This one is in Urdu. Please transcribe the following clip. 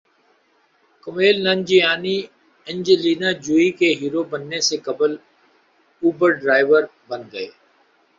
کمیل ننجیانی انجلینا جولی کے ہیرو بننے سے قبل اوبر ڈرائیور بن گئے